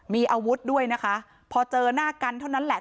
มีอาวุธด้วยนะคะพอเจอหน้ากันเท่านั้นแหละ